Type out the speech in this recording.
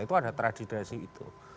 itu ada tradisi itu